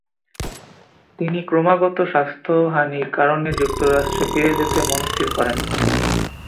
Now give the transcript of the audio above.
তিনি ক্রমাগত স্বাস্থ্যহানীর কারণে যুক্তরাষ্ট্রে ফিরে যেতে মনঃস্থির করেন।